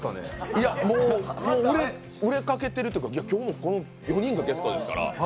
いや、もう売れかけてるっていうか、今日、４人がゲストですから。